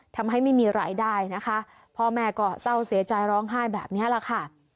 ทำให้ไม่มีรายได้นะคะพ่อแม่ก็เศร้าเสียใจร้องไห้แบบนี้แหละค่ะ